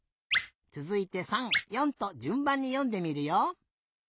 つづいて３４とじゅんばんによんでみるよ。